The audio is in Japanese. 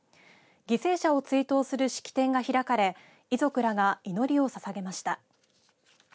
犠牲者を追悼する式典が開かれ遺族らが祈りをささげました。